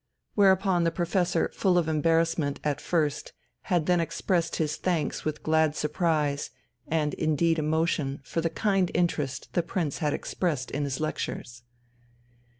whereupon the Professor, full of embarrassment at first, had then expressed his thanks with glad surprise, and indeed emotion, for the kind interest the Prince had expressed in his lectures.